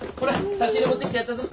差し入れ持ってきてやったぞ。